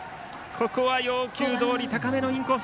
要求どおり高めのインコース。